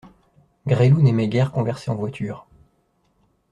Gresloup n'aimait guère converser en voiture.